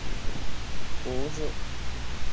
风胡子。